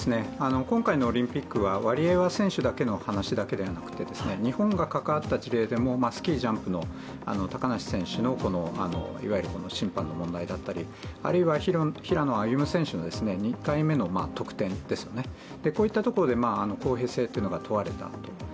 今回のオリンピックはわり選手だけの話だけではなくて日本が関わった事例でもスキージャンプの高梨選手のいわゆる審判の問題だったりあるいは平野歩夢選手の２回目の得点ですよね、こういったところで公平性というのが問われたと。